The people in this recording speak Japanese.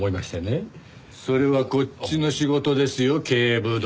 それはこっちの仕事ですよ警部殿。